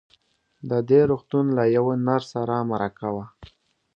د دې روغتون له يوه نرس سره مرکه وه.